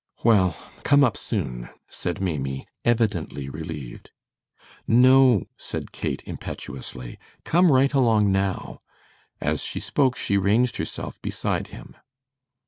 "Well, come up soon," said Maimie, evidently relieved. "No!" said Kate, impetuously, "come right along now." As she spoke she ranged herself beside him.